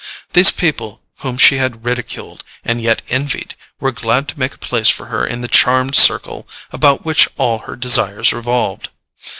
These people whom she had ridiculed and yet envied were glad to make a place for her in the charmed circle about which all her desires revolved.